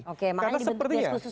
oke makanya gitu bias khusus tadi ya